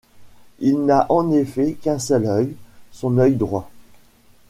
Il n'a en effet qu'un seul œil, son œil droit.